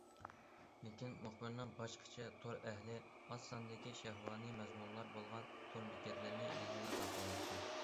لېكىن مۇخبىرنىڭ بايقىشىچە، تور ئەھلى ئاز ساندىكى شەھۋانىي مەزمۇنلار بولغان تور بېكەتلىرىنى يەنىلا تاپالايدىكەن.